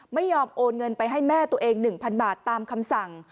ไม่ยอมโอนเงินไปให้แม่ตัวเอง๑๐๐บาทตามคำสั่ง